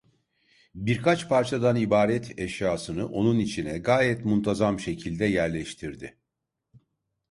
Birkaç parçadan ibaret eşyasını onun içine gayet muntazam şekilde yerleştirdi.